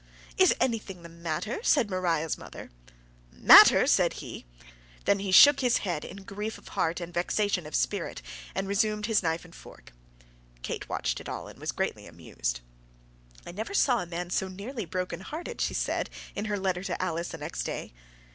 "Is anything the matter?" said Maria's mother. "Matter!" said he. Then he shook his head in grief of heart and vexation of spirit, and resumed his knife and fork. Kate watched it all, and was greatly amused. "I never saw a man so nearly broken hearted," she said, in her letter to Alice the next day.